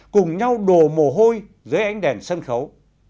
cùng nhau đồ mồ hôi dưới ánh đèn sân khấu